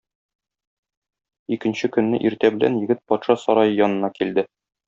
Икенче көнне иртә белән егет патша сарае янына килде.